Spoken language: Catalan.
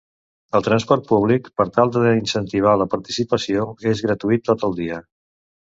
El transport públic, per tal d’incentivar la participació, és gratuït tot el dia.